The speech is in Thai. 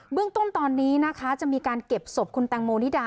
เรื่องต้นตอนนี้นะคะจะมีการเก็บศพคุณแตงโมนิดา